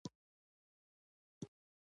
احمد لکه اوښمرغی سر په شګو منډي.